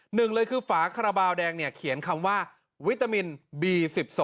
หนึ่งเลยคือฝาคาราบาลแดงเนี่ยเขียนคำว่าวิตามินบี๑๒